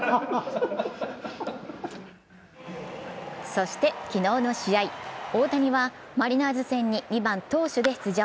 そして昨日の試合、大谷はマリナーズ戦に２番・投手で出場。